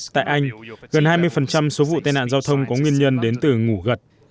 tại anh gần hai mươi số vụ tai nạn giao thông có nguyên nhân đến từ ngủ gật